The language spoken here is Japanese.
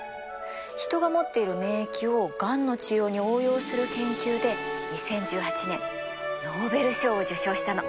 人が持っている免疫をがんの治療に応用する研究で２０１８年ノーベル賞を受賞したの。